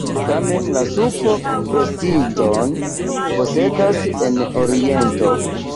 Tamen la supo prestiĝon posedas en Oriento.